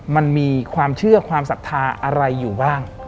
มันมีความเชื่อความศรัทธาอะไรอยู่บ้าง